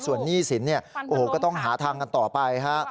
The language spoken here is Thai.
ส่วนหนี้สินเนี่ยโอ้โหก็ต้องหาทางกันต่อไปฮะ